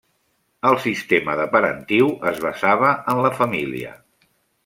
El sistema de parentiu es basava en la família.